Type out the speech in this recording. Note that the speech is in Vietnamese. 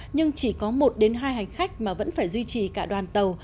nhưng chỉ có một hai hành khách mà vẫn phải duy trì cả đoàn tàu